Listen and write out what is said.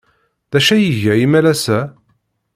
D acu ay iga imalas-a?